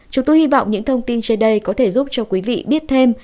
chúng tôi hy vọng những thông tin trên đây có thể giúp cho quý vị biết thêm